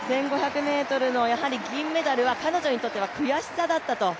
１５００ｍの銀メダルは彼女にとっては悔しさだったと。